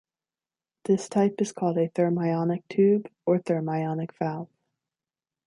This type is called a thermionic tube or thermionic valve.